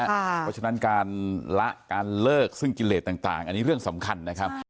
เพราะฉะนั้นการละการเลิกซึ่งกิเลสต่างอันนี้เรื่องสำคัญนะครับ